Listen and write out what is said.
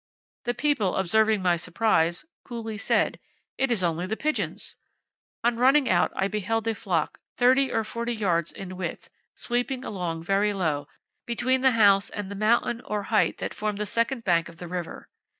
The people observing my surprise, coolly said, 'It is only the pigeons!' On running out I beheld a flock, thirty or forty yards in width, sweeping along very low, between the house and the mountain or height that formed the second bank of the river.